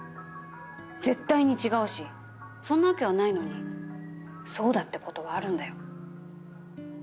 絶対に違うしそんなわけはないのにそうだってことはあるんだよ。